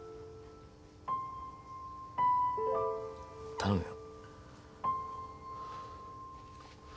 頼むよ。